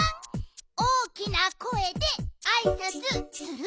大きなこえであいさつする？